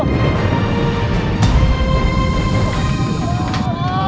anak ibu semasa hidupnya